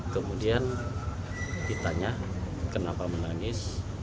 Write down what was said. kemudian ditanya kenapa menangis